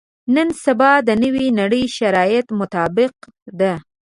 نن سبا د نوې نړۍ شرایطو مطابق ده.